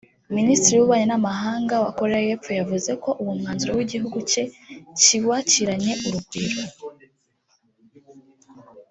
Minisitiri w’Ububanyi n’Amahanga wa Koreya y’Epfo yavuze ko uwo mwanzuro igihugu cye kiwakiranye urugwiro